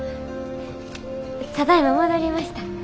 ただいま戻りました。